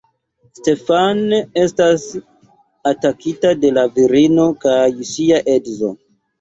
Stefan estas atakita de la virino kaj ŝia edzo.